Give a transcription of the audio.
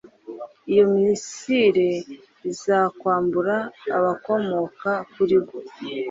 Iyo misile izakwambura abakomoka kuri bo